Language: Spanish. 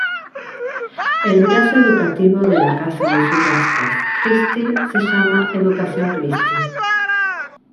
El brazo educativo de la casa de subastas Christie se llama Educación Christie.